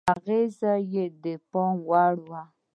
اغېز یې د پام وړ و.